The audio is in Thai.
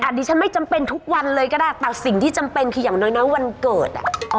ดิฉันไม่จำเป็นทุกวันเลยก็ได้แต่สิ่งที่จำเป็นคืออย่างน้อยวันเกิด